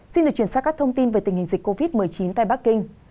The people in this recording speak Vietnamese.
xin được chuyển sang các thông tin về tình hình dịch covid một mươi chín tại bắc kinh